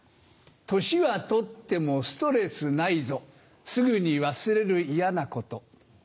年はとってもストレスないぞすぐに忘れる嫌なこと。